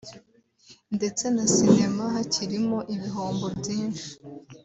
ndetse na Sinema hakirimo ibihombo byinshi